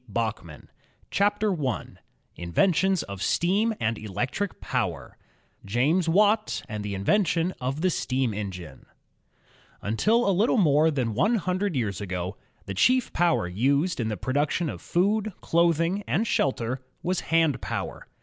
Holland 265 PART I INVENTIONS OF STEAM AND ELECTRIC POWER JAMES WATT AND THE INVENTION OF THE STEAM ENGINE T TNTIL a little more than one hundred years ago, the ^^ chief power used in the production of food, clothing, and shelter was hand power.